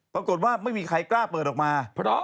ปรากฏว่าไม่มีใครกล้าเปิดออกมา